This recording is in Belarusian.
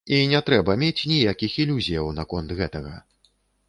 І не трэба мець ніякіх ілюзіяў наконт гэтага.